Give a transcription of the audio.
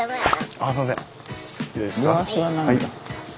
あっすいません。